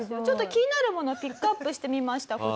ちょっと気になるものをピックアップしてみました。